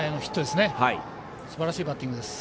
すばらしいバッティングです。